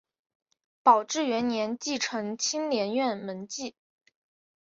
宝治元年继承青莲院门迹。